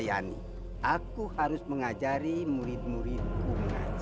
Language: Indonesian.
aku harus mengajari murid murid mengaji